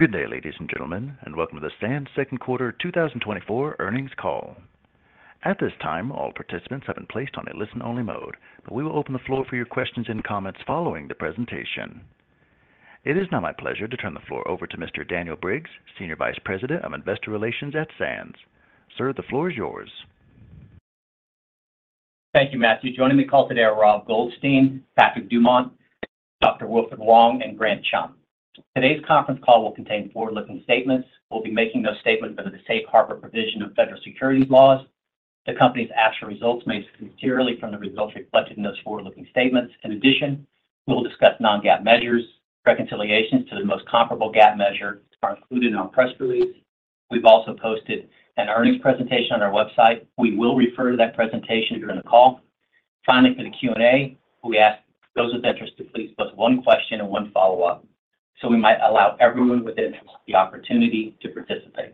Good day, ladies and gentlemen, and welcome to the Sands second quarter 2024 earnings call. At this time, all participants have been placed on a listen-only mode, but we will open the floor for your questions and comments following the presentation. It is now my pleasure to turn the floor over to Mr. Daniel Briggs, Senior Vice President of Investor Relations at Sands. Sir, the floor is yours. Thank you, Matthew. Joining the call today are Rob Goldstein, Patrick Dumont, Dr. Wilfred Wong, and Grant Chum. Today's conference call will contain forward-looking statements. We'll be making those statements under the safe harbor provision of federal securities laws. The company's actual results may differ materially from the results reflected in those forward-looking statements. In addition, we'll discuss non-GAAP measures. Reconciliations to the most comparable GAAP measure are included in our press release. We've also posted an earnings presentation on our website. We will refer to that presentation during the call. Finally, for the Q&A, we ask those with interest to please ask one question and one follow-up, so we might allow everyone with interest the opportunity to participate.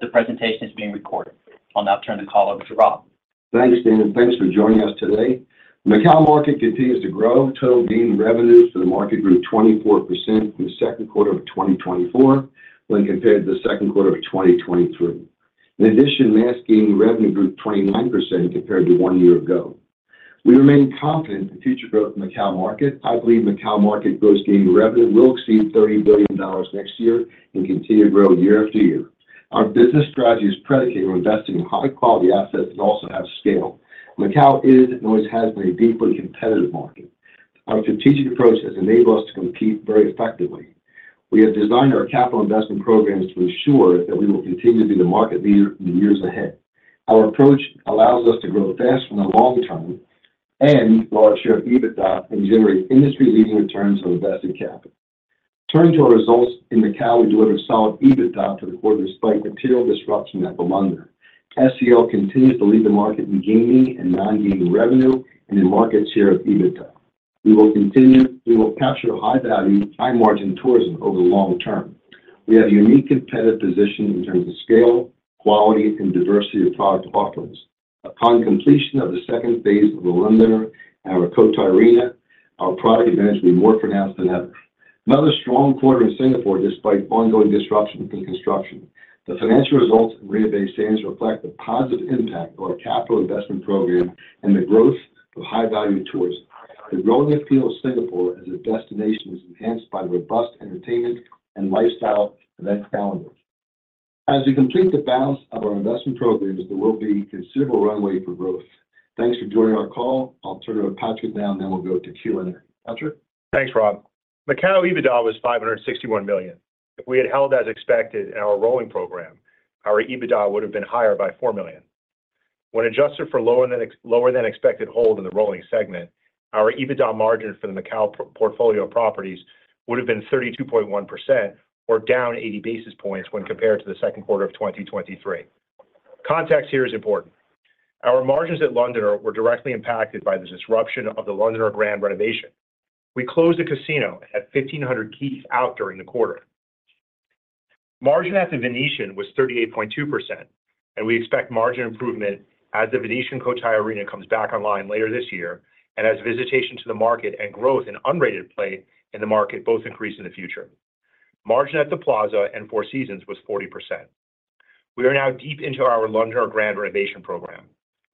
The presentation is being recorded. I'll now turn the call over to Rob. Thanks, Dan, and thanks for joining us today. Macao market continues to grow. Total gaming revenues for the market grew 24% in the second quarter of 2024 when compared to the second quarter of 2023. In addition, mass gaming revenue grew 29% compared to one year ago. We remain confident in future growth in Macao market. I believe Macao market gross gaming revenue will exceed $30 billion next year and continue to grow year after year. Our business strategy is predicated on investing in high-quality assets that also have scale. Macao is and always has been a deeply competitive market. Our strategic approach has enabled us to compete very effectively. We have designed our capital investment programs to ensure that we will continue to be the market leader in the years ahead. Our approach allows us to grow fast in the long term and grow our share of EBITDA and generate industry-leading returns on invested capital. Turning to our results in Macao, we delivered solid EBITDA for the quarter despite material disruption at The Londoner. SCL continues to lead the market in gaming and non-gaming revenue and in market share of EBITDA. We will capture high-value, high-margin tourism over the long term. We have a unique competitive position in terms of scale, quality, and diversity of product offerings. Upon completion of the second phase of The Londoner and our Cotai Arena, our product advantage will be more pronounced than ever. Another strong quarter in Singapore, despite ongoing disruptions in construction. The financial results in Marina Bay Sands reflect the positive impact of our capital investment program and the growth of high-value tourism. The growing appeal of Singapore as a destination is enhanced by the robust entertainment and lifestyle event calendar. As we complete the balance of our investment programs, there will be considerable runway for growth. Thanks for joining our call. I'll turn it over to Patrick now, and then we'll go to Q&A. Patrick? Thanks, Rob. Macao EBITDA was $561 million. If we had held as expected in our Rolling Program, our EBITDA would have been higher by $4 million. When adjusted for lower than expected hold in the rolling segment, our EBITDA margin for the Macao portfolio of properties would have been 32.1% or down 80 basis points when compared to the second quarter of 2023. Context here is important. Our margins at Londoner were directly impacted by the disruption of the Londoner Grand renovation. We closed the casino at 1,500 keys out during the quarter. Margin at the Venetian was 38.2%, and we expect margin improvement as the Venetian Cotai Arena comes back online later this year and as visitation to the market and growth in unrated play in the market both increase in the future. Margin at The Plaza and Four Seasons was 40%. We are now deep into our Londoner Grand renovation program.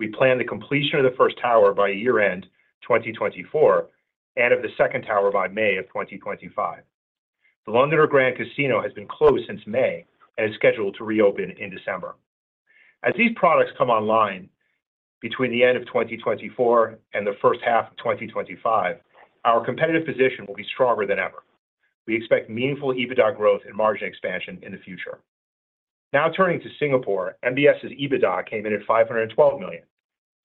We plan the completion of the first tower by year-end 2024 and of the second tower by May of 2025. The Londoner Grand Casino has been closed since May and is scheduled to reopen in December. As these products come online between the end of 2024 and the first half of 2025, our competitive position will be stronger than ever. We expect meaningful EBITDA growth and margin expansion in the future. Now turning to Singapore, MBS's EBITDA came in at $512 million.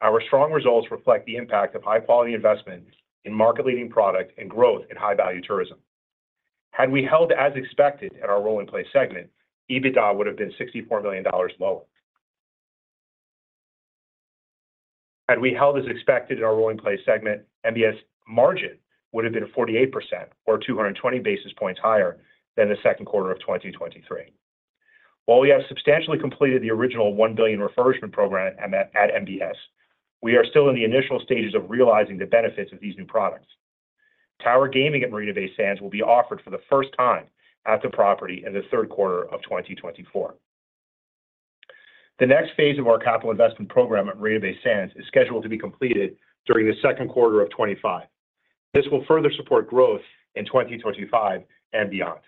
Our strong results reflect the impact of high-quality investment in market-leading product and growth in high-value tourism. Had we held as expected in our Rolling Play segment, EBITDA would have been $64 million lower. Had we held as expected in our Rolling Play segment, MBS's margin would have been 48% or 220 basis points higher than the second quarter of 2023. While we have substantially completed the original $1 billion refurbishment program at MBS, we are still in the initial stages of realizing the benefits of these new products. Tower gaming at Marina Bay Sands will be offered for the first time at the property in the third quarter of 2024. The next phase of our capital investment program at Marina Bay Sands is scheduled to be completed during the second quarter of 2025. This will further support growth in 2025 and beyond.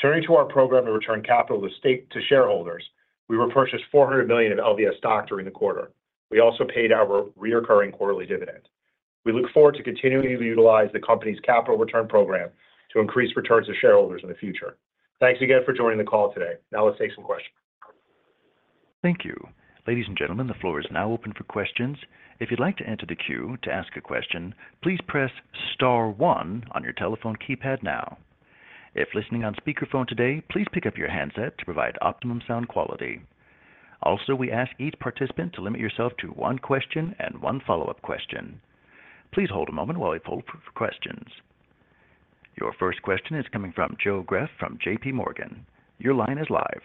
Turning to our program to return capital to shareholders, we repurchased $400 million of LVS stock during the quarter. We also paid our recurring quarterly dividend. We look forward to continuing to utilize the company's capital return program to increase returns to shareholders in the future. Thanks again for joining the call today. Now let's take some questions. Thank you. Ladies and gentlemen, the floor is now open for questions. If you'd like to enter the queue to ask a question, please press star one on your telephone keypad now. If listening on speakerphone today, please pick up your handset to provide optimum sound quality. Also, we ask each participant to limit yourself to one question and one follow-up question. Please hold a moment while we pull for questions. Your first question is coming from Joe Greff from JP Morgan. Your line is live....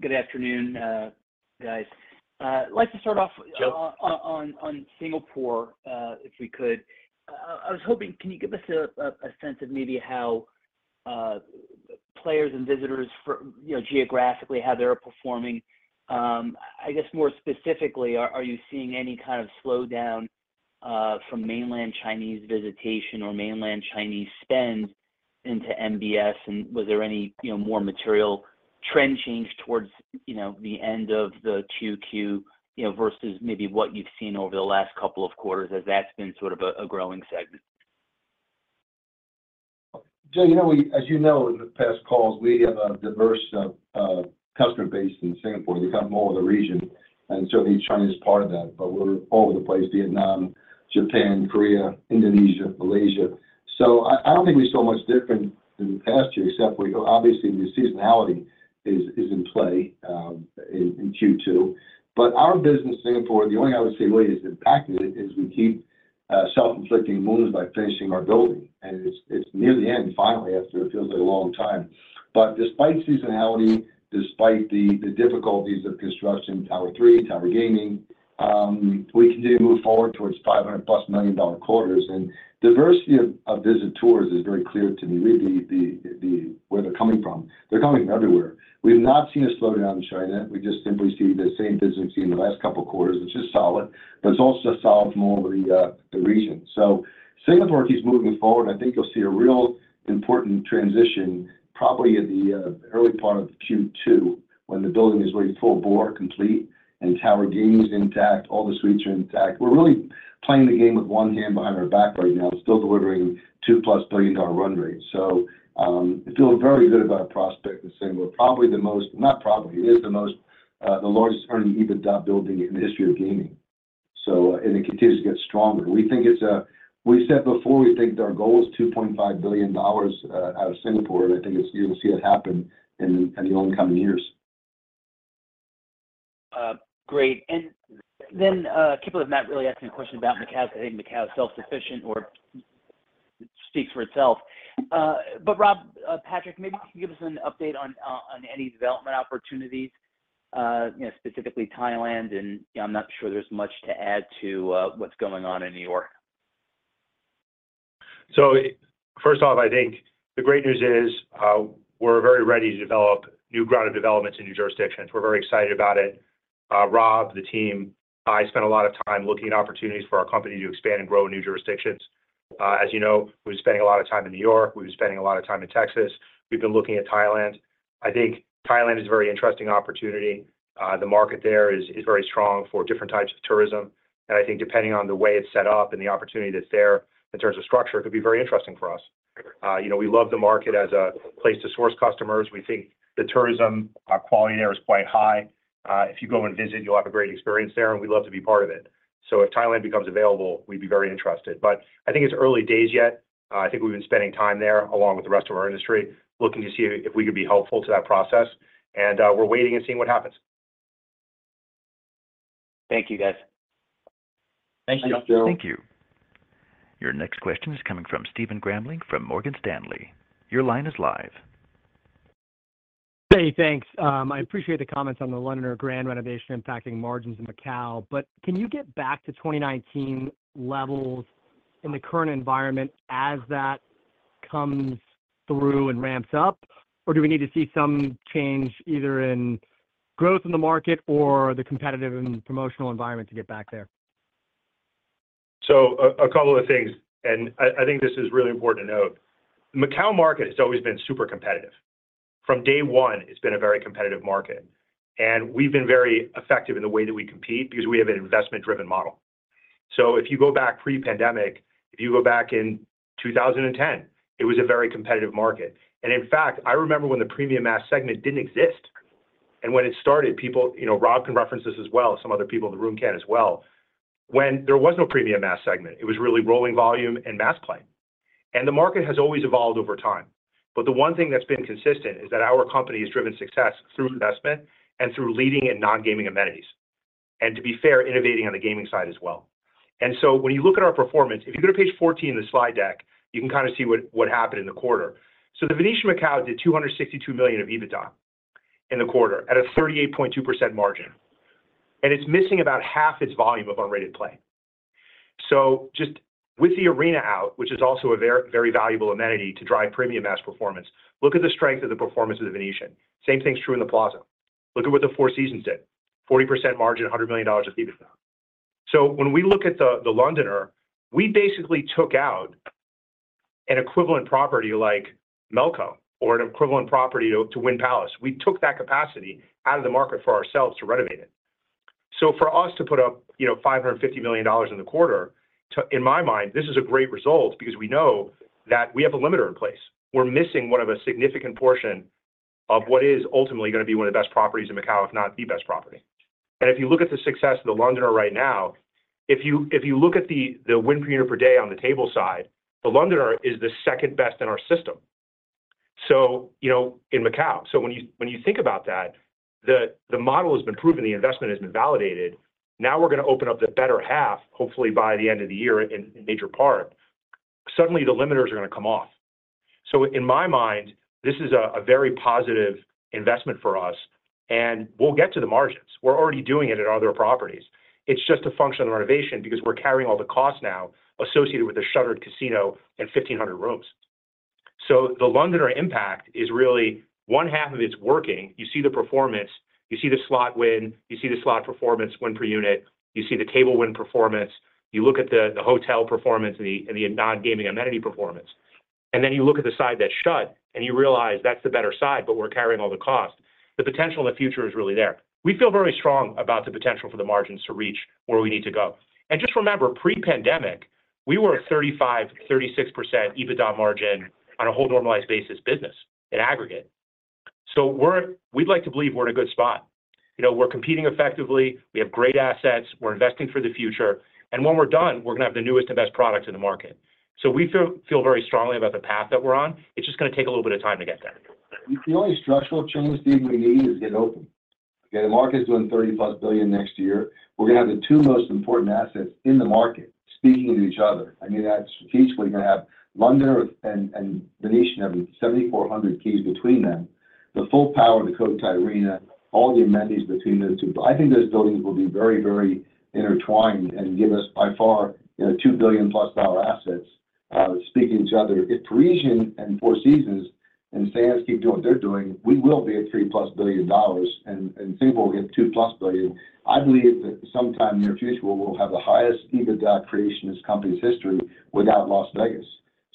Good afternoon, guys. I'd like to start off- Joe? on Singapore, I was hoping, can you give us a sense of maybe how players and visitors for, you know, geographically, how they're performing? I guess, more specifically, are you seeing any kind of slowdown from mainland Chinese visitation or mainland Chinese spend into MBS? And was there any, you know, more material trend change towards, you know, the end of the Q2, you know, versus maybe what you've seen over the last couple of quarters, as that's been sort of a growing segment? Joe, you know, we, as you know, in the past calls, we have a diverse customer base in Singapore. We come from all over the region, and certainly China is part of that, but we're all over the place, Vietnam, Japan, Korea, Indonesia, Malaysia. So I don't think we're so much different than the past year, except for, you know, obviously, the seasonality is in play in Q2. But our business in Singapore, the only way I would say really is impacting it, is we keep self-inflicting wounds by finishing our building. And it's near the end, finally, after what feels like a long time. But despite seasonality, despite the difficulties of construction, Tower 3 and tower gaming, we continue to move forward towards $500+ million quarters. And diversity of visitors is very clear to me. Really, where they're coming from, they're coming from everywhere. We've not seen a slowdown in China. We just simply see the same business we see in the last couple of quarters, which is solid, but it's also solid from all over the region. So Singapore keeps moving forward. I think you'll see a real important transition, probably in the early part of the Q2 when the building is really full board complete, and tower gaming is intact, all the suites are intact. We're really playing the game with one hand behind our back right now. We're still delivering $2+ billion run rate. So I feel very good about our prospect in Singapore. Not probably, it is the most, the largest earning EBITDA building in the history of gaming. So and it continues to get stronger. We think it's, as we said before, we think our goal is $2.5 billion out of Singapore, and I think it's, you'll see it happen in the upcoming years. Great. And then, people have not really asked me a question about Macao. Macao is self-sufficient or it speaks for itself. But Rob, Patrick, maybe can you give us an update on any development opportunities, you know, specifically Thailand? And I'm not sure there's much to add to what's going on in New York. So first off, I think the great news is, we're very ready to develop new ground of developments in new jurisdictions. We're very excited about it. Rob, the team, I spent a lot of time looking at opportunities for our company to expand and grow in new jurisdictions. As you know, we've been spending a lot of time in New York. We've been spending a lot of time in Texas. We've been looking at Thailand. I think Thailand is a very interesting opportunity. The market there is very strong for different types of tourism, and I think depending on the way it's set up and the opportunity that's there in terms of structure, it could be very interesting for us. You know, we love the market as a place to source customers. We think the tourism quality there is quite high. If you go and visit, you'll have a great experience there, and we'd love to be part of it. So if Thailand becomes available, we'd be very interested. But I think it's early days yet. I think we've been spending time there, along with the rest of our industry, looking to see if we could be helpful to that process, and we're waiting and seeing what happens. Thank you, guys. Thank you. Thank you. Thank you. Your next question is coming from Stephen Grambling from Morgan Stanley. Your line is live. Hey, thanks. I appreciate the comments on the Londoner Grand renovation impacting margins in Macao, but can you get back to 2019 levels in the current environment as that comes through and ramps up? Or do we need to see some change either in growth in the market or the competitive and promotional environment to get back there? So, a couple of things, and I think this is really important to note. Macao market has always been super competitive. From day one, it's been a very competitive market, and we've been very effective in the way that we compete because we have an investment-driven model. So if you go back pre-pandemic, if you go back in 2010, it was a very competitive market. And in fact, I remember when the premium mass segment didn't exist. And when it started, people, you know, Rob can reference this as well, some other people in the room can as well. When there was no premium mass segment, it was really rolling volume and mass play. And the market has always evolved over time. But the one thing that's been consistent is that our company has driven success through investment and through leading in non-gaming amenities, and to be fair, innovating on the gaming side as well. So when you look at our performance, if you go to page 14 in the slide deck, you can kind of see what, what happened in the quarter. The Venetian Macao did $262 million of EBITDA in the quarter at a 38.2% margin, and it's missing about half its volume of unrated play. So just with the arena out, which is also a very, very valuable amenity to drive premium mass performance, look at the strength of the performance of the Venetian. Same thing's true in the Plaza. Look at what the Four Seasons did. 40% margin, $100 million of EBITDA. So when we look at the Londoner, we basically took out an equivalent property like Melco or an equivalent property to Wynn Palace. We took that capacity out of the market for ourselves to renovate it. So for us to put up, you know, $550 million in the quarter, to, in my mind, this is a great result because we know that we have a limiter in place. We're missing what of a significant portion of what is ultimately going to be one of the best properties in Macao, if not the best property. And if you look at the success of the Londoner right now, if you look at the win per unit per day on the table side, the Londoner is the second best in our system. So, you know, in Macao. So when you think about that, the model has been proven, the investment has been validated. Now, we're going to open up the better half, hopefully by the end of the year in major part. But suddenly the limiters are going to come off. So in my mind, this is a very positive investment for us, and we'll get to the margins. We're already doing it at other properties. It's just a function of the renovation because we're carrying all the costs now associated with a shuttered casino and 1,500 rooms. So the Londoner impact is really one half of it's working. You see the performance, you see the slot win, you see the slot performance win per unit, you see the table win performance, you look at the hotel performance and the non-gaming amenity performance. And then you look at the side that's shut, and you realize that's the better side, but we're carrying all the cost. The potential in the future is really there. We feel very strong about the potential for the margins to reach where we need to go. And just remember, pre-pandemic, we were at 35%-36% EBITDA margin on a whole normalized basis business in aggregate. So we'd like to believe we're in a good spot. You know, we're competing effectively, we have great assets, we're investing for the future, and when we're done, we're going to have the newest and best products in the market. So we feel very strongly about the path that we're on. It's just going to take a little bit of time to get there. The only structural change, Steve, we need is getting open. Okay, the market is doing $30+ billion next year. We're going to have the two most important assets in the market speaking to each other. I mean, that's strategically going to have London and, and Venetian having 7,400 keys between them, the full power of the Cotai Arena, all the amenities between those two. I think those buildings will be very, very intertwined and give us by far, you know, $2 billion+ dollar assets speaking to each other. If Parisian and Four Seasons and Sands keep doing what they're doing, we will be at $3+ billion and, and Singapore will get $2+ billion. I believe that sometime in the near future, we'll have the highest EBITDA creation in this company's history without Las Vegas.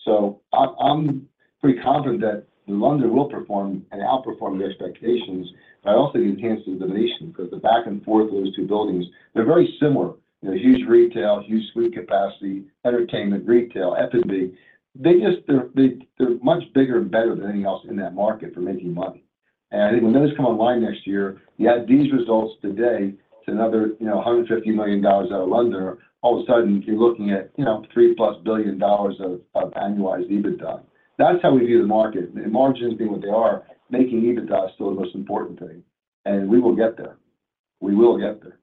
So I, I'm pretty confident that London will perform and outperform the expectations, but I also get enhanced in the Venetian because the back and forth of those two buildings, they're very similar. You know, huge retail, huge suite capacity, entertainment, retail, F&B. They just. They're, they, they're much bigger and better than anything else in that market for making money. And I think when those come online next year, you add these results today to another, you know, $150 million out of London, all of a sudden, you're looking at, you know, $3+ billion of annualized EBITDA. That's how we view the market, and margins being what they are, making EBITDA is still the most important thing, and we will get there. We will get there.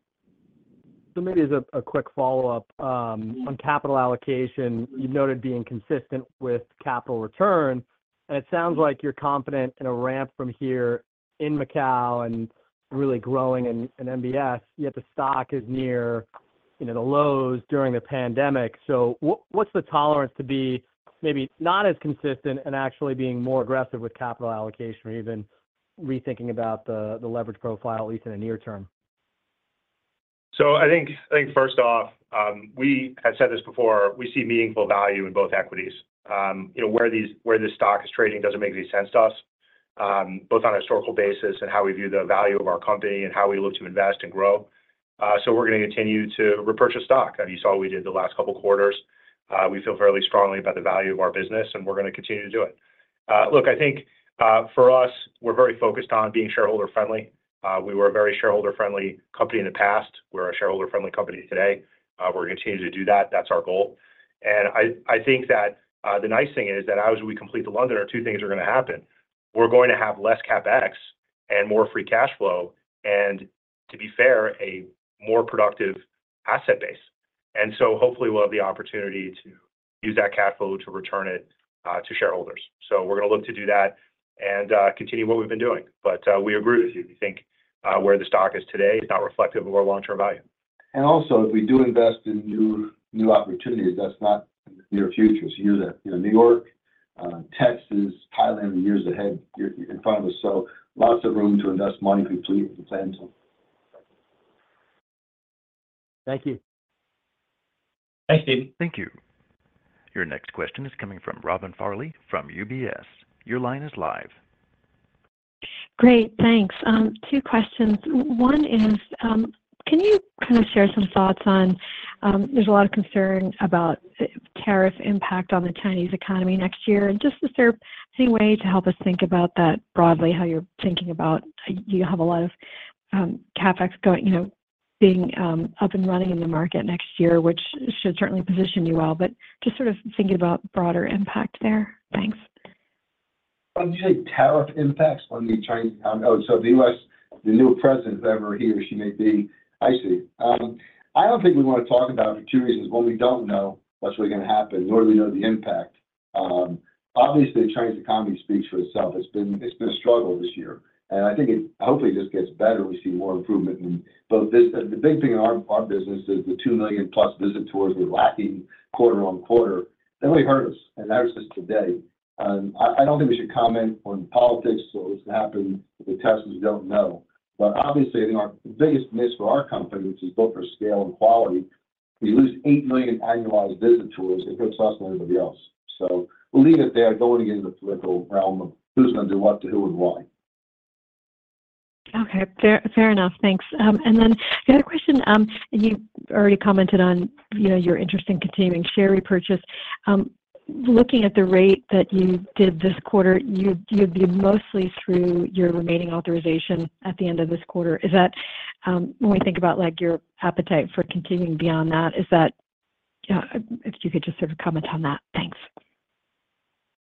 So maybe as a quick follow-up on capital allocation. You noted being consistent with capital return, and it sounds like you're confident in a ramp from here in Macao and really growing in MBS, yet the stock is near, you know, the lows during the pandemic. So what's the tolerance to be maybe not as consistent and actually being more aggressive with capital allocation or even rethinking about the leverage profile, at least in the near term? So I think first off, we have said this before. We see meaningful value in both equities. You know, where this stock is trading doesn't make any sense to us, both on a historical basis and how we view the value of our company and how we look to invest and grow. So we're going to continue to repurchase stock, as you saw we did the last couple of quarters. We feel fairly strongly about the value of our business, and we're going to continue to do it. Look, I think for us, we're very focused on being shareholder-friendly. We were a very shareholder-friendly company in the past. We're a shareholder-friendly company today. We're going to continue to do it. That's our goal. I think that the nice thing is that as we complete The Londoner, two things are going to happen. We're going to have less CapEx and more free cash flow and, to be fair, a more productive asset base. So hopefully, we'll have the opportunity to use that cash flow to return it to shareholders. So we're going to look to do that and continue what we've been doing. But we agree with you. We think where the stock is today is not reflective of our long-term value. Also, if we do invest in new, new opportunities, that's not in the near future. So you know that, you know, New York, Texas, Thailand, are years ahead in front of us, so lots of room to invest money if we please and plan to. Thank you. Thanks, Steve. Thank you. Your next question is coming from Robin Farley from UBS. Your line is live. Great, thanks. Two questions. One is, can you kind of share some thoughts on, there's a lot of concern about the tariff impact on the Chinese economy next year, and just is there any way to help us think about that broadly, how you're thinking about... You have a lot of CapEx going, you know, being up and running in the market next year, which should certainly position you well, but just sort of thinking about broader impact there. Thanks. When you say tariff impacts on the Chinese— Oh, so the US, the new president, whoever he or she may be? I see. I don't think we want to talk about it for two reasons. One, we don't know what's really going to happen, nor do we know the impact. Obviously, the Chinese economy speaks for itself. It's been a struggle this year, and I think it hopefully just gets better, we see more improvement in both business. The big thing in our business is the 2 million-plus visitors were lacking quarter-over-quarter. That really hurt us, and that was just today. I don't think we should comment on politics or what's going to happen with the taxes. We don't know. But obviously, I think the biggest risk for our company, which is both for scale and quality. We lose 8 million annualized visitors. It hurts us more than anybody else. So we'll leave it there, going into the political realm of who's going to do what to who and why. Okay, fair enough. Thanks. And then the other question, and you already commented on, you know, your interest in continuing share repurchase. Looking at the rate that you did this quarter, you'd be mostly through your remaining authorization at the end of this quarter. Is that, when we think about, like, your appetite for continuing beyond that, if you could just sort of comment on that? Thanks. ...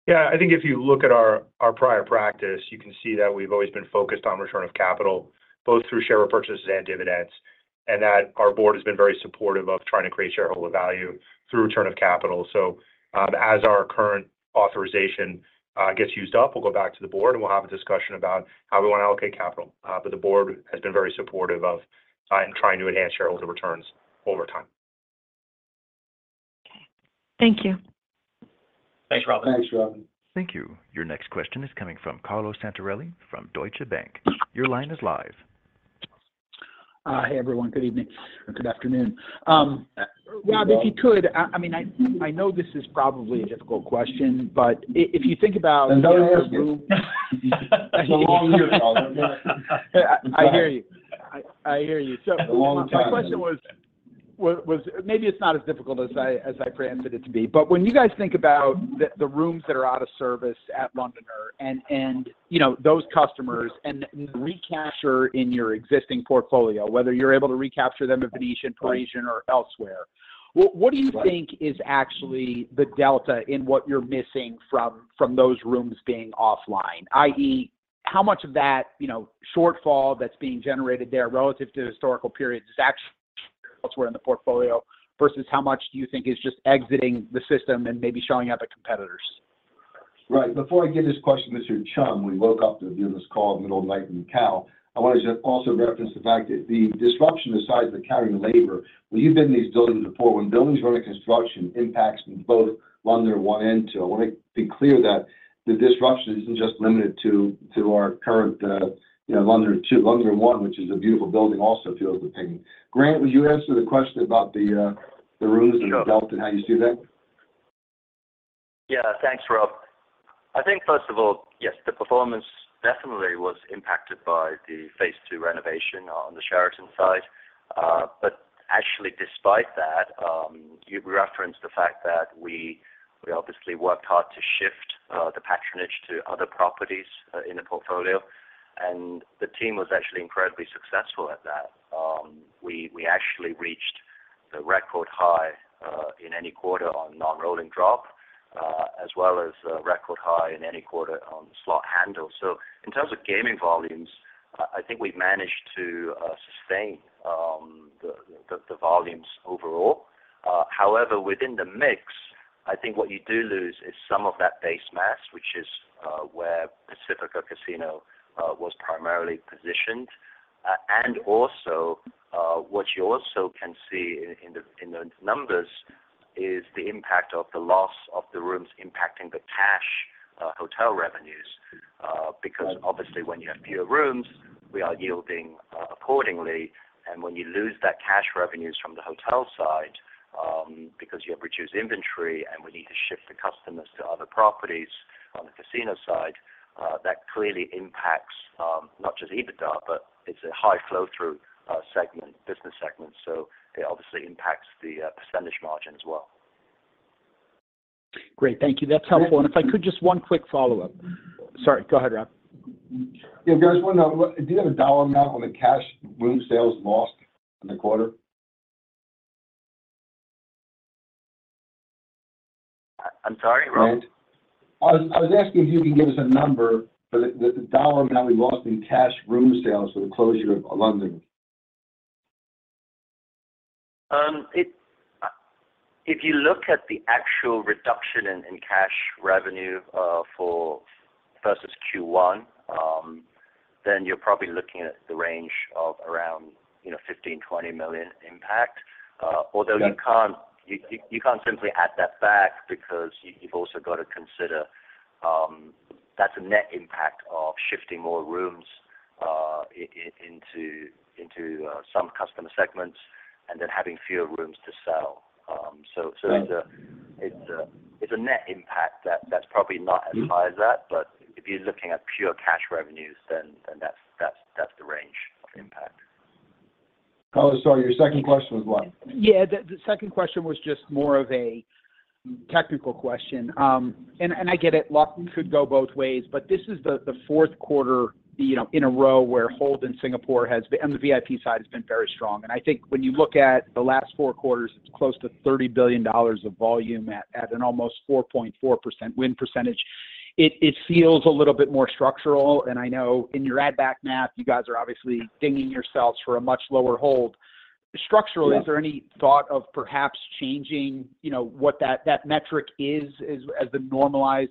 Yeah, I think if you look at our prior practice, you can see that we've always been focused on return of capital, both through share repurchases and dividends, and that our board has been very supportive of trying to create shareholder value through return of capital. So, as our current authorization gets used up, we'll go back to the board, and we'll have a discussion about how we wanna allocate capital. But the board has been very supportive of in trying to enhance shareholder returns over time. Okay. Thank you. Thanks, Robin. Thanks, Robin. Thank you. Your next question is coming from Carlo Santarelli from Deutsche Bank. Your line is live. Hey, everyone. Good evening, or good afternoon. Rob, if you could, I mean, I know this is probably a difficult question, but if you think about- It's a long year, Carlo. I hear you. I hear you. So- A long time. My question was, maybe it's not as difficult as I framed it to be, but when you guys think about the rooms that are out of service at Londoner and, you know, those customers and recapture in your existing portfolio, whether you're able to recapture them at Venetian, Parisian or elsewhere, what do you think is actually the delta in what you're missing from those rooms being offline? i.e., how much of that, you know, shortfall that's being generated there relative to historical periods is actually elsewhere in the portfolio, versus how much do you think is just exiting the system and maybe showing up at competitors? Right. Before I give this question to Mr. Chum, we woke up to do this call in the middle of the night in Macao. I wanted to also reference the fact that the disruption, the size, the carrying labor, when you've been in these buildings before, when buildings are under construction, impacts both Londoner One and Two. I wanna be clear that the disruption isn't just limited to our current, you know, Londoner Two. Londoner One, which is a beautiful building, also feels the pain. Grant, would you answer the question about the rooms and the delta and how you see that? Yeah. Thanks, Rob. I think, first of all, yes, the performance definitely was impacted by the phase two renovation on the Sheraton side. But actually, despite that, you referenced the fact that we obviously worked hard to shift the patronage to other properties in the portfolio, and the team was actually incredibly successful at that. We actually reached a record high in any quarter on non-rolling drop, as well as a record high in any quarter on slot handle. So in terms of gaming volumes, I think we've managed to sustain the volumes overall. However, within the mix, I think what you do lose is some of that base mass, which is where Pacifica Casino was primarily positioned. And also, what you also can see in the numbers is the impact of the loss of the rooms impacting the cash hotel revenues. Because obviously when you have fewer rooms, we are yielding accordingly, and when you lose that cash revenues from the hotel side, because you have reduced inventory and we need to shift the customers to other properties on the casino side, that clearly impacts not just EBITDA, but it's a high flow-through segment, business segment, so it obviously impacts the percentage margin as well. Great. Thank you. That's helpful. And if I could, just one quick follow-up. Sorry, go ahead, Rob. Yeah, guys, wonder, do you have a dollar amount on the cash room sales lost in the quarter? I'm sorry, Rob? I was asking if you can give us a number for the dollar amount we lost in cash room sales with the closure of Londoner? If you look at the actual reduction in cash revenue for versus Q1, then you're probably looking at the range of around, you know, $15 million-$20 million impact. Although you can't- Yeah. You can't simply add that back because you've also got to consider that's a net impact of shifting more rooms into some customer segments and then having fewer rooms to sell. Yeah... so it's a net impact that's probably not as high as that, but if you're looking at pure cash revenues, then that's the range of impact. Oh, sorry, your second question was what? Yeah, the second question was just more of a technical question. And I get it, luck could go both ways, but this is the fourth quarter, you know, in a row, where hold in Singapore has been, and the VIP side has been very strong. And I think when you look at the last four quarters, it's close to $30 billion of volume at an almost 4.4% win percentage. It feels a little bit more structural, and I know in your add-back math, you guys are obviously dinging yourselves for a much lower hold. Yeah. Structurally, is there any thought of perhaps changing, you know, what that, that metric is, as, as the normalized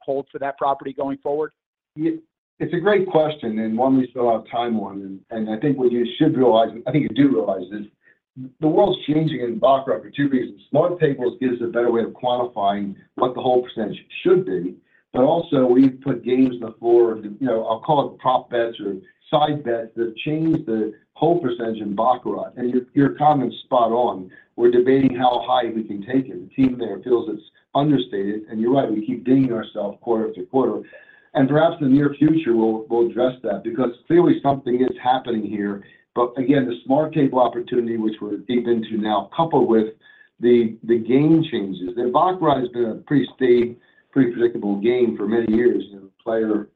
hold for that property going forward? It's a great question, and one we spend a lot of time on, and I think what you should realize, I think you do realize this, the world's changing in baccarat for two reasons. Smart Tables gives a better way of quantifying what the whole percentage should be, but also we've put games on the floor, you know, I'll call it prop bets or side bets, that change the whole percentage in baccarat. And your comment is spot on. We're debating how high we can take it. The team there feels it's understated, and you're right, we keep dinging ourselves quarter after quarter. And perhaps in the near future, we'll address that, because clearly something is happening here. But again, the Smart Tables opportunity, which we're deep into now, coupled with the game changes. The baccarat has been a pretty staid, pretty predictable game for many years, and the player,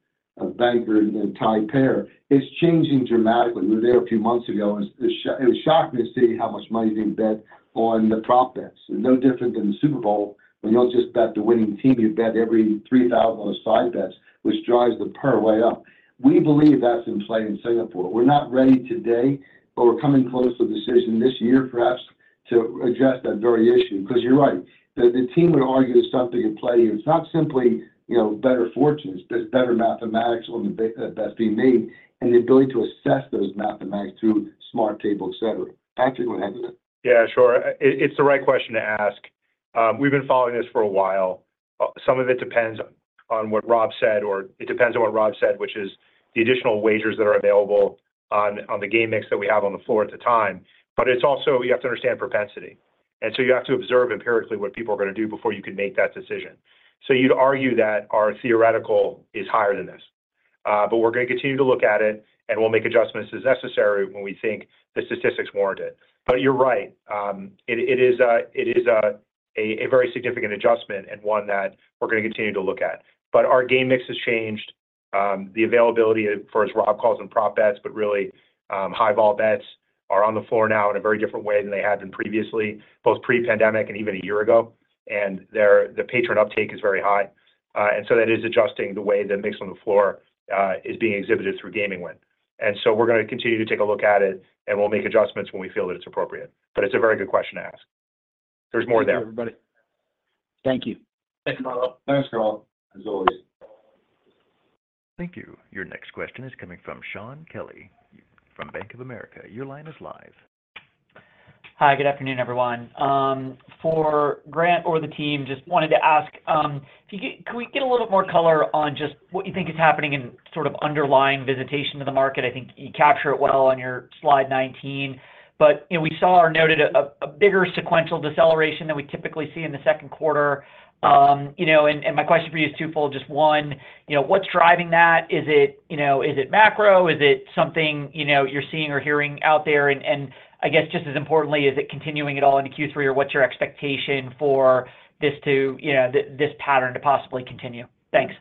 Banker and Tie play is changing dramatically. We were there a few months ago, and it was shocking to see how much money is being bet on the prop bets. No different than the Super Bowl, where you don't just bet the winning team, you bet every $3,000 on the side bets, which drives the PAR way up. We believe that's in play in Singapore. We're not ready today, but we're coming close to a decision this year, perhaps, to adjust that very issue. Because you're right, the team would argue there's something at play here. It's not simply, you know, better fortunes. There's better mathematics on the bets being made, and the ability to assess those mathematics through smart table, et cetera. Patrick, go ahead. Yeah, sure. It's the right question to ask. We've been following this for a while. Some of it depends on, on what Rob said, or it depends on what Rob said, which is the additional wagers that are available on, on the game mix that we have on the floor at the time. But it's also, you have to understand propensity. And so you have to observe empirically what people are gonna do before you can make that decision. So you'd argue that our theoretical is higher than this. But we're gonna continue to look at it, and we'll make adjustments as necessary when we think the statistics warrant it. But you're right, it, it is a, it is a, a very significant adjustment and one that we're gonna continue to look at. But our game mix has changed. The availability, as far as Rob calls them, prop bets, but really, high vol bets are on the floor now in a very different way than they had been previously, both pre-pandemic and even a year ago. And there, the patron uptake is very high. And so that is adjusting the way the mix on the floor is being exhibited through gaming win. And so we're gonna continue to take a look at it, and we'll make adjustments when we feel that it's appropriate. But it's a very good question to ask. There's more there. Thank you, everybody. Thank you. Thank you, Rob. Thanks, Rob, as always. Thank you. Your next question is coming from Shaun Kelley from Bank of America. Your line is live. Hi, good afternoon, everyone. For Grant or the team, just wanted to ask, can we get a little more color on just what you think is happening in sort of underlying visitation to the market? I think you capture it well on your slide 19, but, you know, we saw or noted a bigger sequential deceleration than we typically see in the second quarter. You know, and my question for you is twofold. Just one, you know, what's driving that? Is it, you know, is it macro? Is it something, you know, you're seeing or hearing out there? And, I guess, just as importantly, is it continuing at all into Q3, or what's your expectation for this to, you know, this pattern to possibly continue? Thanks.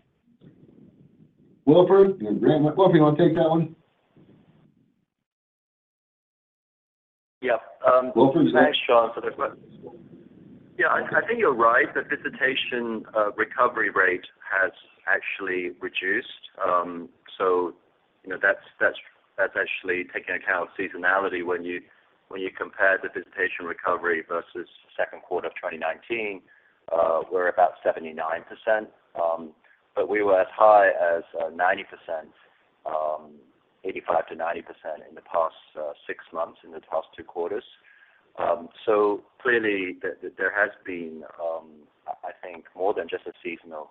Wilfred and Grant, Wilfred, you want to take that one? Yeah, um- Wilfred- Thanks, Sean, for the question. Yeah, I think you're right. The visitation recovery rate has actually reduced. So, you know, that's actually taking account of seasonality when you compare the visitation recovery versus second quarter of 2019, we're about 79%, but we were as high as 90%, 85%-90% in the past six months, in the past two quarters. So clearly there has been, I think, more than just a seasonal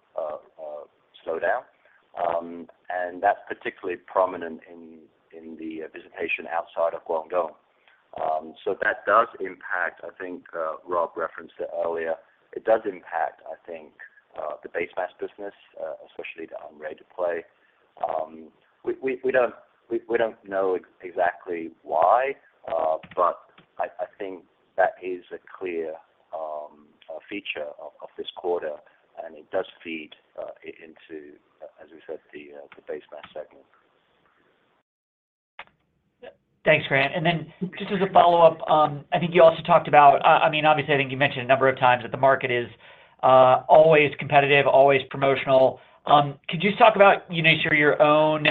slowdown, and that's particularly prominent in the visitation outside of Guangdong. So that does impact, I think, Rob referenced it earlier. It does impact, I think, the base mass business, especially the ready to play. We don't know exactly why, but I think that is a clear feature of this quarter, and it does feed into, as we said, the Base Mass segment. Thanks, Grant. And then just as a follow-up, I think you also talked about... I mean, obviously, I think you mentioned a number of times that the market is always competitive, always promotional. Could you just talk about, you know, sort of your own,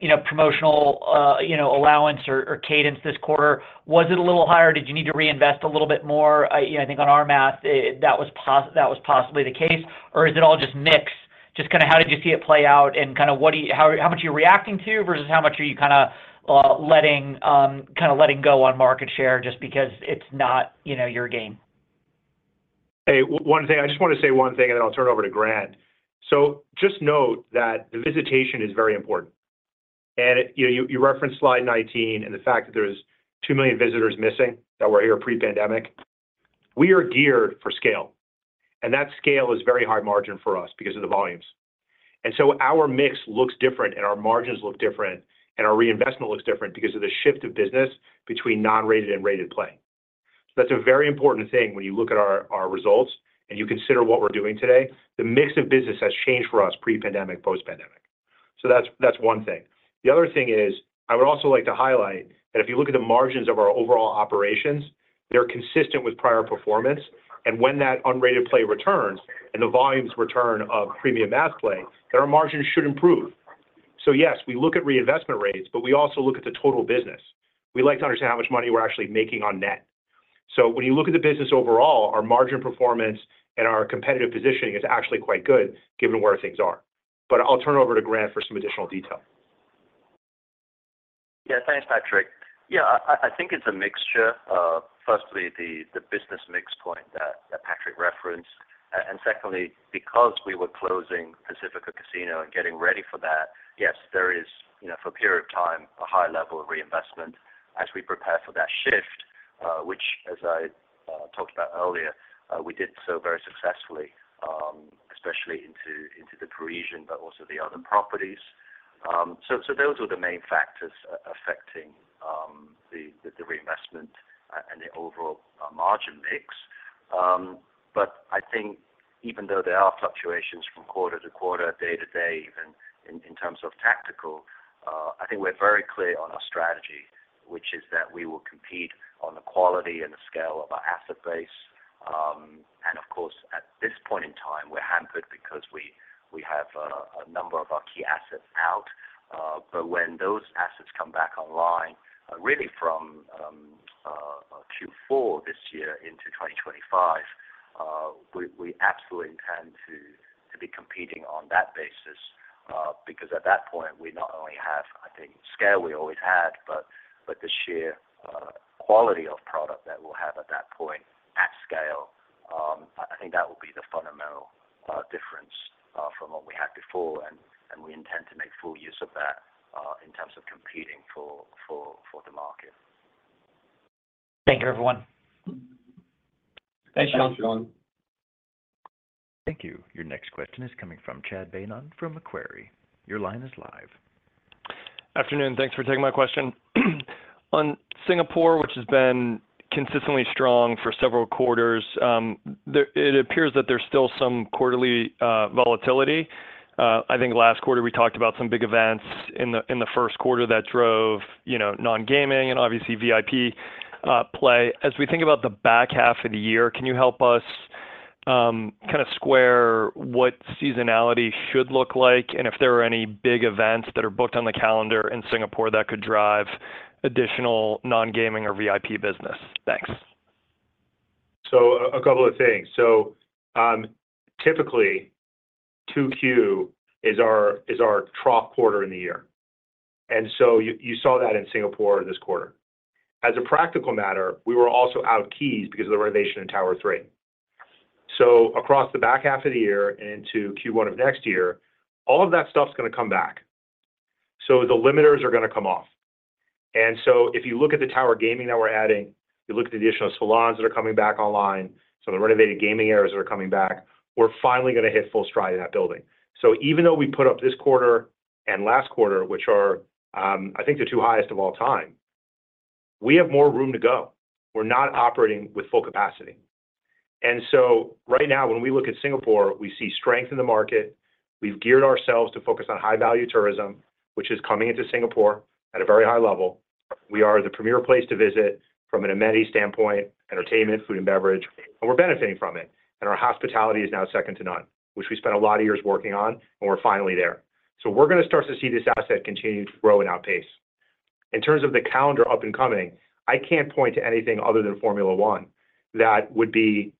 you know, promotional, you know, allowance or cadence this quarter? Was it a little higher? Did you need to reinvest a little bit more? You know, I think on our math, that was possibly the case. Or is it all just mix? Just kind of how did you see it play out, and kind of how much are you reacting to, versus how much are you kind of letting, kind of letting go on market share just because it's not, you know, your game? Hey, one thing. I just want to say one thing, and then I'll turn it over to Grant. So just note that the visitation is very important. You know, you referenced slide 19 and the fact that there's 2 million visitors missing that were here pre-pandemic. We are geared for scale, and that scale is very high margin for us because of the volumes. And so our mix looks different, and our margins look different, and our reinvestment looks different because of the shift of business between unrated and rated play. So that's a very important thing when you look at our results and you consider what we're doing today. The mix of business has changed for us pre-pandemic, post-pandemic. So that's one thing. The other thing is, I would also like to highlight that if you look at the margins of our overall operations, they're consistent with prior performance. And when that unrated play returns and the volumes return of premium mass play, then our margins should improve. So yes, we look at reinvestment rates, but we also look at the total business. We like to understand how much money we're actually making on net. So when you look at the business overall, our margin performance and our competitive positioning is actually quite good given where things are. But I'll turn it over to Grant for some additional detail. Yeah. Thanks, Patrick. Yeah, I think it's a mixture of, firstly, the business mix point that Patrick referenced. And secondly, because we were closing Pacifica Casino and getting ready for that, yes, there is, you know, for a period of time, a high level of reinvestment as we prepare for that shift, which, as I talked about earlier, we did so very successfully, especially into the Parisian, but also the other properties. So those were the main factors affecting the reinvestment issue, the overall margin mix. But I think even though there are fluctuations from quarter to quarter, day to day, even in terms of tactical, I think we're very clear on our strategy, which is that we will compete on the quality and the scale of our asset base. And of course, at this point in time, we're hampered because we have a number of our key assets out. But when those assets come back online, really from Q4 this year into 2025, we absolutely intend to be competing on that basis. Because at that point, we not only have, I think, scale we always had, but the sheer quality of product that we'll have at that point at scale, I think that will be the fundamental difference from what we had before, and we intend to make full use of that in terms of competing for the market. Thank you, everyone. Thanks, Sean. Thanks, Sean. Thank you. Your next question is coming from Chad Beynon from Macquarie. Your line is live. Afternoon. Thanks for taking my question. On Singapore, which has been consistently strong for several quarters, it appears that there's still some quarterly volatility. I think last quarter we talked about some big events in the first quarter that drove, you know, non-gaming and obviously VIP play. As we think about the back half of the year, can you help us kind of square what seasonality should look like, and if there are any big events that are booked on the calendar in Singapore that could drive additional non-gaming or VIP business? Thanks. So, a couple of things. So, typically, 2Q is our trough quarter in the year, and so you saw that in Singapore this quarter. As a practical matter, we were also out of keys because of the renovation in Tower 3. So across the back half of the year and into Q1 of next year, all of that stuff's going to come back, so the limiters are going to come off. And so if you look at the tower gaming that we're adding, you look at the additional salons that are coming back online, some of the renovated gaming areas that are coming back, we're finally going to hit full stride in that building. So even though we put up this quarter and last quarter, which are, I think the two highest of all time, we have more room to go. We're not operating with full capacity. And so right now, when we look at Singapore, we see strength in the market. We've geared ourselves to focus on high-value tourism, which is coming into Singapore at a very high level. We are the premier place to visit from an amenity standpoint, entertainment, food and beverage, and we're benefiting from it. And our hospitality is now second to none, which we spent a lot of years working on, and we're finally there. So we're going to start to see this asset continue to grow and outpace. In terms of the calendar up and coming, I can't point to anything other than Formula One that would be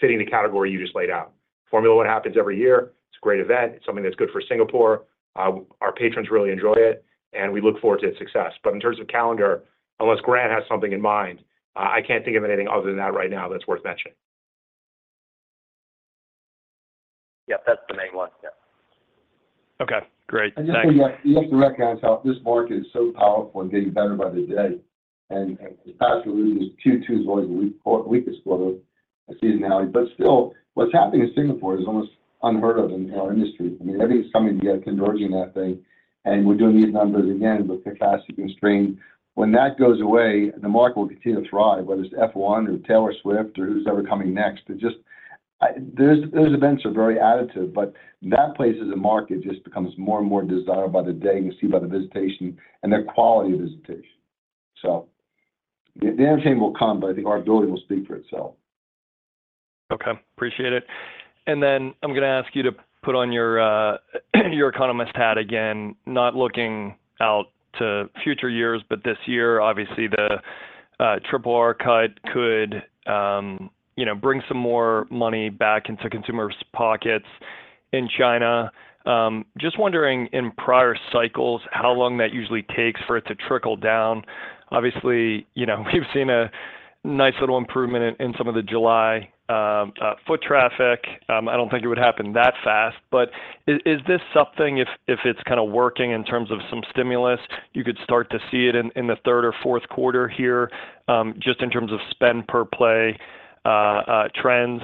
fitting the category you just laid out. Formula One happens every year. It's a great event. It's something that's good for Singapore. Our patrons really enjoy it, and we look forward to its success. But in terms of calendar, unless Grant has something in mind, I can't think of anything other than that right now that's worth mentioning. Yep, that's the main one. Yeah. Okay, great. Thanks. Just to recognize how this market is so powerful and getting better by the day, and historically, Q2 is always the weak, weakest quarter seasonality. But still, what's happening in Singapore is almost unheard of in our industry. I mean, everything's coming together, converging that thing, and we're doing these numbers again with the capacity constraint. When that goes away, the market will continue to thrive, whether it's F1 or Taylor Swift or who's ever coming next. It just. Those, those events are very additive, but that place as a market just becomes more and more desirable by the day. You can see by the visitation and their quality of visitation. So the entertainment will come, but I think our ability will speak for itself. Okay, appreciate it. And then I'm going to ask you to put on your, your economist hat again, not looking out to future years, but this year, obviously, the Triple R cut could, you know, bring some more money back into consumers' pockets in China. Just wondering, in prior cycles, how long that usually takes for it to trickle down. Obviously, you know, we've seen a nice little improvement in some of the July foot traffic. I don't think it would happen that fast, but is this something if it's kind of working in terms of some stimulus, you could start to see it in the third or fourth quarter here, just in terms of spend per play trends?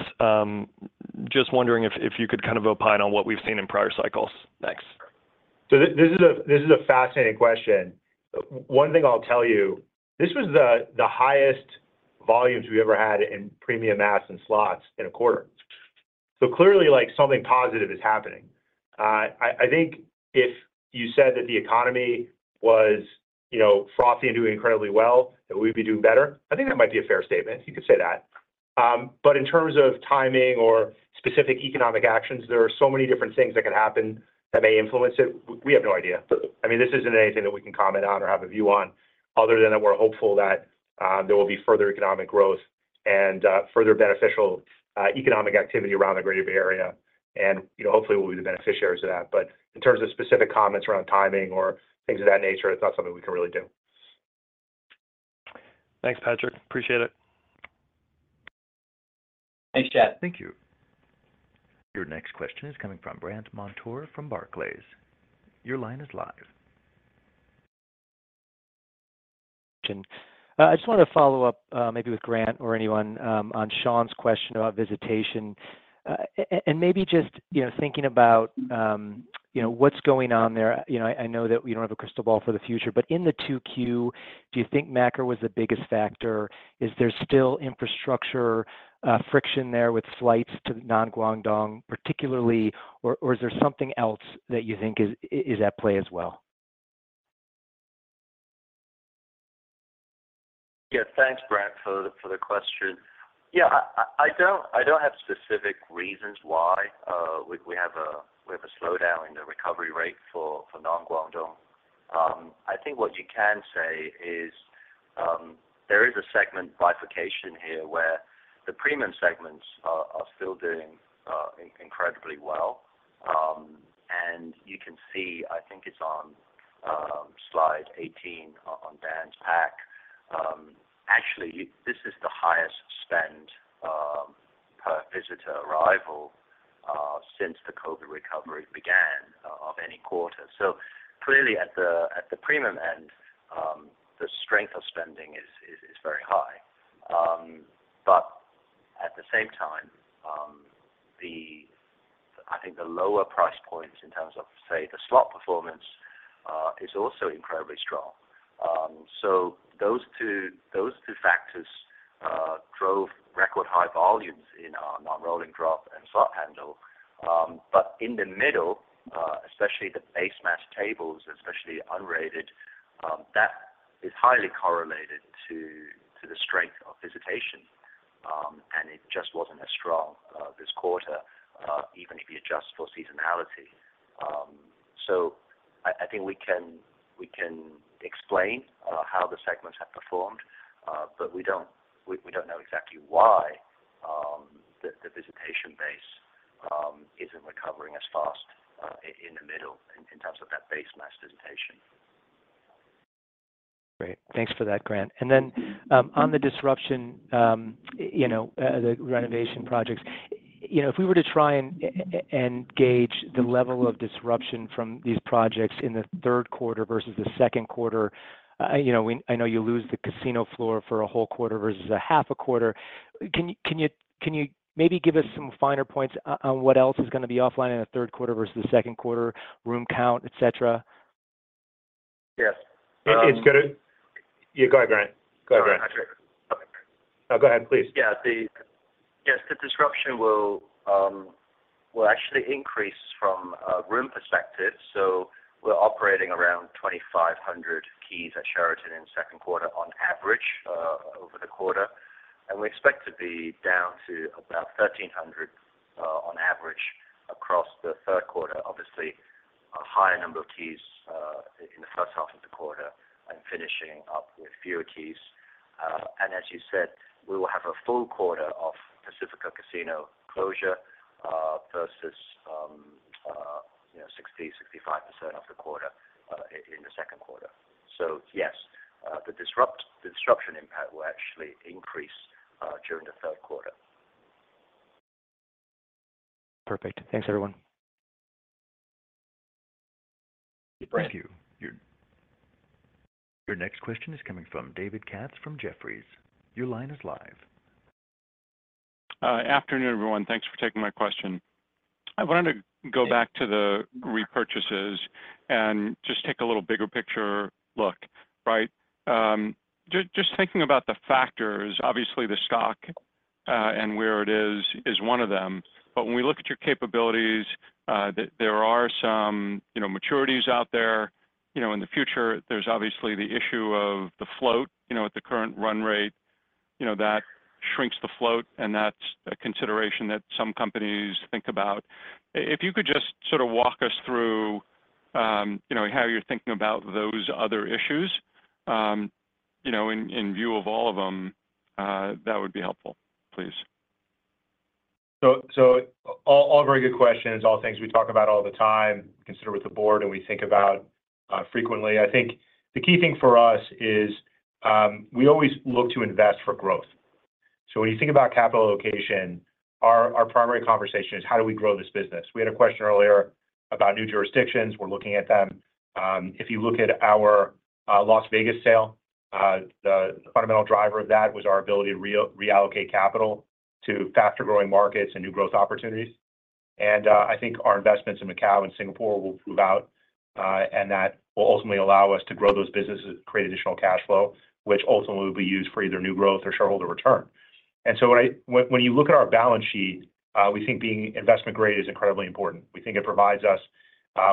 Just wondering if you could kind of opine on what we've seen in prior cycles. Thanks. So this is a fascinating question. One thing I'll tell you, this was the highest volumes we ever had in premium mass and slots in a quarter. So clearly, like, something positive is happening. I think if you said that the economy was, you know, frothy and doing incredibly well, that we'd be doing better, I think that might be a fair statement. You could say that. But in terms of timing or specific economic actions, there are so many different things that could happen that may influence it. We have no idea. I mean, this isn't anything that we can comment on or have a view on, other than that we're hopeful that there will be further economic growth and further beneficial economic activity around the Greater Bay Area and, you know, hopefully we'll be the beneficiaries of that. But in terms of specific comments around timing or things of that nature, it's not something we can really do. Thanks, Patrick. Appreciate it. Thanks, Chad. Thank you. Your next question is coming from Brandt Montour from Barclays. Your line is live.... I just wanted to follow up, maybe with Grant or anyone, on Shaun's question about visitation. And maybe just, you know, thinking about, you know, what's going on there. You know, I know that we don't have a crystal ball for the future, but in the 2Q, do you think macro was the biggest factor? Is there still infrastructure friction there with flights to non-Guangdong particularly, or is there something else that you think is at play as well? Yeah. Thanks, Brandt, for the question. Yeah, I don't have specific reasons why we have a slowdown in the recovery rate for non-Guangdong. I think what you can say is, there is a segment bifurcation here where the premium segments are still doing incredibly well. And you can see, I think it's on slide 18 on Dan's pack. Actually, this is the highest spend per visitor arrival since the COVID recovery began of any quarter. So clearly at the premium end, the strength of spending is very high. But at the same time, I think the lower price points in terms of, say, the slot performance is also incredibly strong. So those two, those two factors drove record-high volumes in our non-rolling drop and slot handle. But in the middle, especially the base mass tables, especially unrated, that is highly correlated to, to the strength of visitation, and it just wasn't as strong, this quarter, even if you adjust for seasonality. So I, I think we can, we can explain, how the segments have performed, but we don't, we, we don't know exactly why, the, the visitation base, isn't recovering as fast, in the middle in, in terms of that base mass visitation. Great. Thanks for that, Grant. And then, on the disruption, you know, the renovation projects, you know, if we were to try and and gauge the level of disruption from these projects in the third quarter versus the second quarter, you know, I know you lose the casino floor for a whole quarter versus a half a quarter. Can you, can you, can you maybe give us some finer points on what else is gonna be offline in the third quarter versus the second quarter, room count, et cetera? Yes. Yeah, go ahead, Grant. Go ahead, Grant. Sorry, Patrick. No, go ahead, please. Yeah, yes, the disruption will actually increase from a room perspective, so we're operating around 2,500 keys at Sheraton in the second quarter on average over the quarter. We expect to be down to about 1,300 on average across the third quarter. Obviously, a higher number of keys in the first half of the quarter and finishing up with fewer keys. And as you said, we will have a full quarter of Pacifica Casino closure versus, you know, 60-65% of the quarter in the second quarter. So yes, the disruption impact will actually increase during the third quarter. Perfect. Thanks, everyone. Thank you. Your- Your next question is coming from David Katz from Jefferies. Your line is live. Afternoon, everyone. Thanks for taking my question. I wanted to go back to the repurchases and just take a little bigger picture look, right? Just thinking about the factors, obviously, the stock and where it is, is one of them. But when we look at your capabilities, there are some, you know, maturities out there. You know, in the future, there's obviously the issue of the float. You know, with the current run rate, you know, that shrinks the float, and that's a consideration that some companies think about. If you could just sort of walk us through, you know, how you're thinking about those other issues, you know, in view of all of them, that would be helpful, please. So all very good questions, all things we talk about all the time, consider with the board, and we think about frequently. I think the key thing for us is, we always look to invest for growth. So when you think about capital allocation, our primary conversation is: How do we grow this business? We had a question earlier about new jurisdictions. We're looking at them. If you look at our Las Vegas sale, the fundamental driver of that was our ability to reallocate capital to faster-growing markets and new growth opportunities. And I think our investments in Macau and Singapore will prove out, and that will ultimately allow us to grow those businesses and create additional cash flow, which ultimately will be used for either new growth or shareholder return. And so when you look at our balance sheet, we think being investment-grade is incredibly important. We think it provides us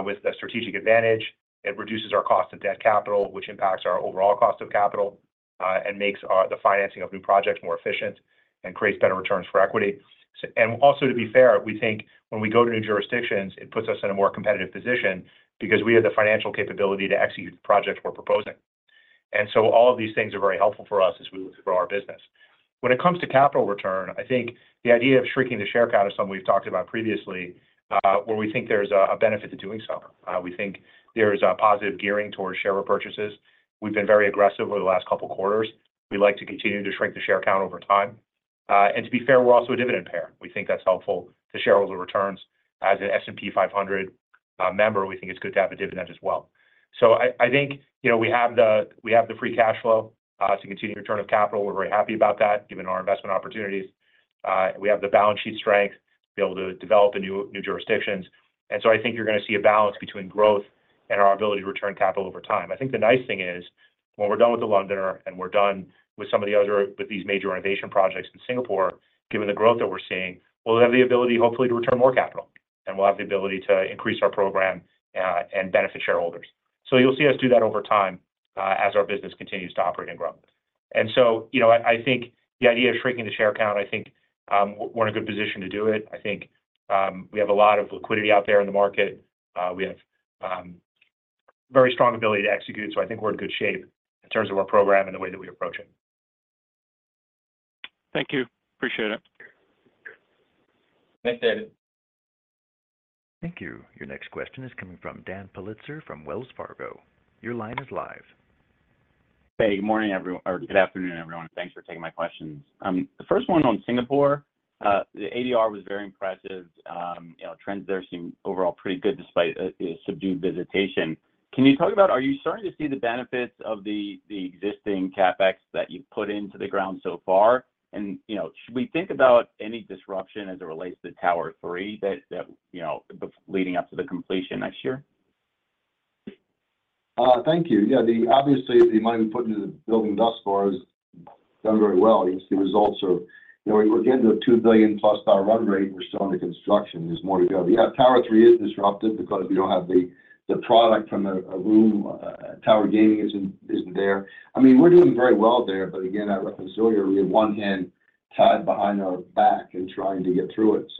with a strategic advantage. It reduces our cost of debt capital, which impacts our overall cost of capital, and makes the financing of new projects more efficient and creates better returns for equity. And also, to be fair, we think when we go to new jurisdictions, it puts us in a more competitive position because we have the financial capability to execute the projects we're proposing. And so all of these things are very helpful for us as we look to grow our business. When it comes to capital return, I think the idea of shrinking the share count is something we've talked about previously, where we think there's a benefit to doing so. We think there's a positive gearing towards share repurchases. We've been very aggressive over the last couple of quarters. We'd like to continue to shrink the share count over time. And to be fair, we're also a dividend payer. We think that's helpful to shareholder returns... as an S&P 500 member, we think it's good to have a dividend as well. So I think, you know, we have the free cash flow to continue return of capital. We're very happy about that, given our investment opportunities. We have the balance sheet strength to be able to develop the new jurisdictions. And so I think you're going to see a balance between growth and our ability to return capital over time. I think the nice thing is, when we're done with the Londoner and we're done with some of the other—with these major renovation projects in Singapore, given the growth that we're seeing, we'll have the ability, hopefully, to return more capital, and we'll have the ability to increase our program, and benefit shareholders. So you'll see us do that over time, as our business continues to operate and grow. And so, you know, I think the idea of shrinking the share count, I think, we're in a good position to do it. I think, we have a lot of liquidity out there in the market. We have very strong ability to execute, so I think we're in good shape in terms of our program and the way that we approach it. Thank you. Appreciate it. Thanks, David. Thank you. Your next question is coming from Daniel Politzer from Wells Fargo. Your line is live. Hey, good morning or good afternoon, everyone. Thanks for taking my questions. The first one on Singapore, the ADR was very impressive. You know, trends there seem overall pretty good, despite subdued visitation. Can you talk about, are you starting to see the benefits of the existing CapEx that you've put into the ground so far? And, you know, should we think about any disruption as it relates to Tower 3, you know, leading up to the completion next year? Thank you. Yeah, the obviously, the money we put into the building thus far has done very well. You see the results of, you know, we're getting to a $2 billion+ run rate. We're still under construction. There's more to go. Yeah, Tower 3 is disrupted because we don't have the product from the room. Tower Gaming is in, isn't there. I mean, we're doing very well there, but again, I referenced earlier, we have one hand tied behind our back and trying to get through it.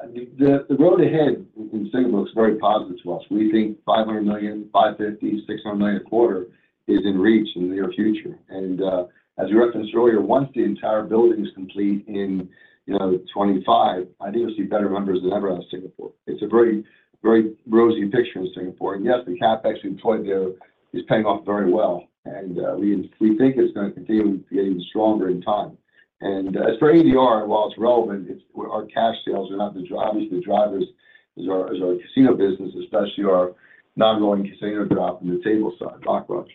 So, the road ahead in Singapore is very positive to us. We think $500 million, $550 million, $600 million a quarter is in reach in the near future. As you referenced earlier, once the entire building is complete in, you know, 2025, I think we'll see better numbers than ever out of Singapore. It's a very, very rosy picture in Singapore, and yes, the CapEx we employed there is paying off very well, and, we, we think it's going to continue to get even stronger in time. As for ADR, while it's relevant, it's our cash sales are not the drivers. The drivers is our, is our casino business, especially our ongoing casino drop in the table side, baccarat.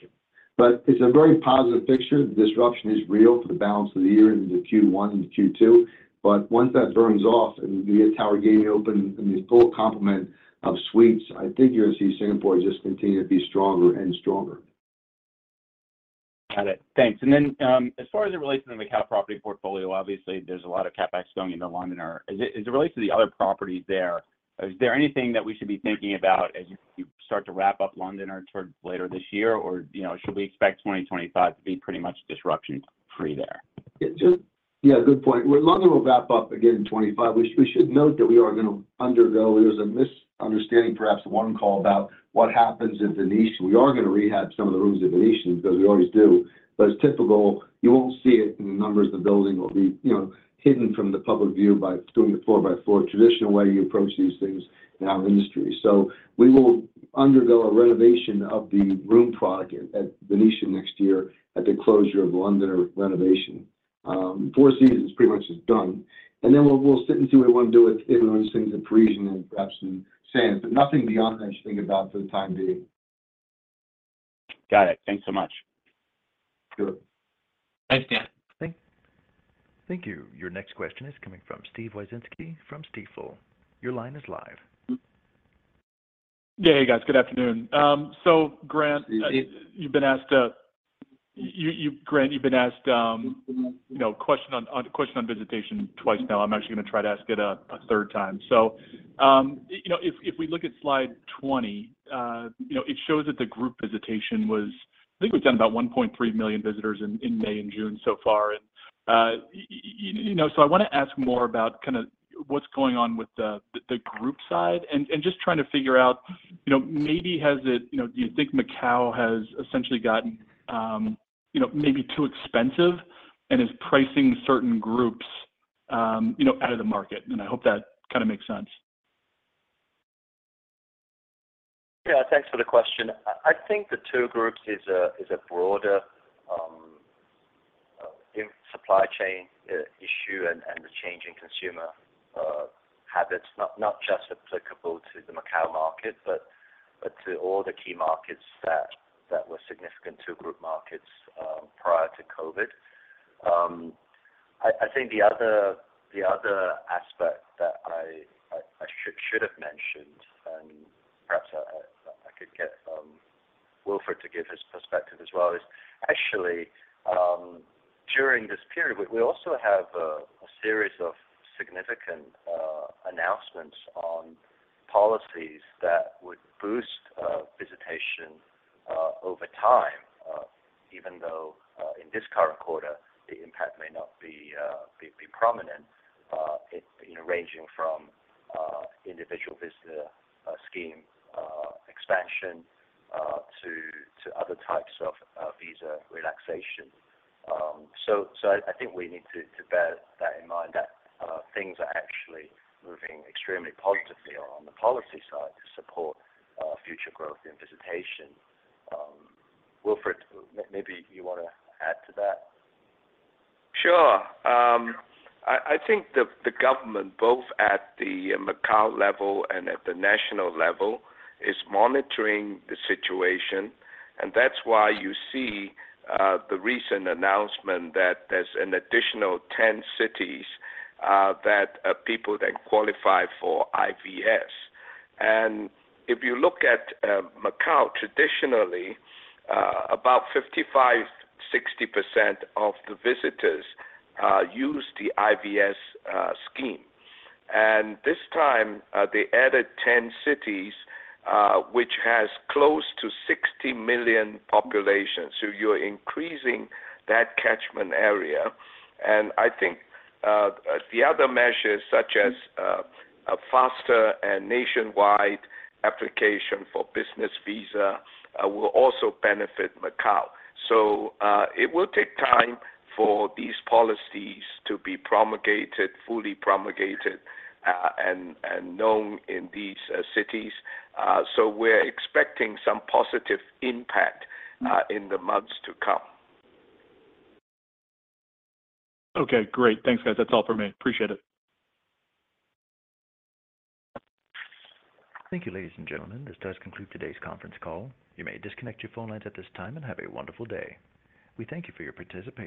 But it's a very positive picture. The disruption is real for the balance of the year into Q1 and Q2, but once that burns off and we get Tower Gaming open in the full complement of suites, I think you'll see Singapore just continue to be stronger and stronger. Got it. Thanks. And then, as far as it relates to the Cotai property portfolio, obviously there's a lot of CapEx going into Londoner. As it relates to the other properties there, is there anything that we should be thinking about as you start to wrap up Londoner toward later this year? Or, you know, should we expect 2025 to be pretty much disruption free there? Yeah, good point. Well, London will wrap up again in 2025. We should note that we are going to undergo... There was a misunderstanding, perhaps, one call about what happens in Venetian. We are going to rehab some of the rooms in Venetian, because we always do. But as typical, you won't see it in the numbers. The building will be, you know, hidden from the public view by doing it floor by floor, traditional way you approach these things in our industry. So we will undergo a renovation of the room product at Venetian next year, at the closure of Londoner renovation. Four Seasons is pretty much done, and then we'll sit and see what we want to do with those things in Parisian and perhaps in Sands, but nothing beyond that you should think about for the time being. Got it. Thanks so much. Sure. Thanks, Dan. Thank you. Your next question is coming from Steve Wieczynski from Stifel. Your line is live. Yeah. Hey, guys, good afternoon. So Grant, you've been asked, you know, question on question on visitation twice now. I'm actually going to try to ask it a third time. So, you know, if we look at slide 20, you know, it shows that the group visitation was, I think we've done about 1.3 million visitors in May and June so far. And, you know, so I want to ask more about kind of what's going on with the group side and just trying to figure out, you know, maybe has it, you know, do you think Macao has essentially gotten, you know, maybe too expensive and is pricing certain groups, you know, out of the market? And I hope that kind of makes sense. Yeah. Thanks for the question. I think the two groups is a broader supply chain issue and the change in consumer habits, not just applicable to the Macao market, but to all the key markets that were significant to group markets prior to COVID. I think the other aspect that I should have mentioned, and perhaps I could get Wilfred to give his perspective as well, is actually during this period, we also have a series of significant announcements on policies that would boost visitation over time, even though in this current quarter, the impact may not be prominent. You know, ranging from Individual Visit Scheme expansion to other types of visa relaxation. So I think we need to bear that in mind, that things are actually moving extremely positively on the policy side to support future growth in visitation. Wilfred, maybe you want to add to that? Sure. I think the government, both at the Macao level and at the national level, is monitoring the situation, and that's why you see the recent announcement that there's an additional 10 cities that people that qualify for IVS. And if you look at Macao, traditionally, about 55%-60% of the visitors use the IVS scheme. And this time they added 10 cities, which has close to 60 million population. So you're increasing that catchment area. And I think the other measures, such as a faster and nationwide application for business visa, will also benefit Macao. So it will take time for these policies to be promulgated, fully promulgated, and known in these cities. So we're expecting some positive impact in the months to come. Okay, great. Thanks, guys. That's all for me. Appreciate it. Thank you, ladies and gentlemen. This does conclude today's conference call. You may disconnect your phone lines at this time and have a wonderful day. We thank you for your participation.